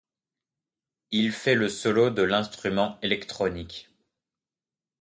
Il fait le solo de l'instrument électronique.